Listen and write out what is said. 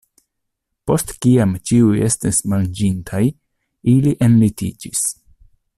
Post kiam ĉiuj estis manĝintaj, ili enlitiĝis.